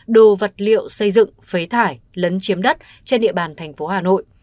đồ vật liệu xây dựng phế thải lấn chiếm đất trên địa bàn tp hà nội